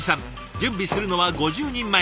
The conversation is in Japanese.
準備するのは５０人前。